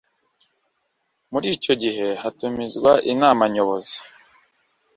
Muri icyo gihe hatumizwa inama nyobozi